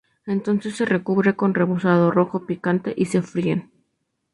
Entonces se recubre con rebozado rojo picante y se fríen.